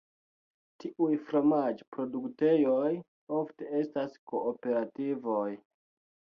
Tiuj fromaĝ-produktejoj, ofte estas kooperativoj.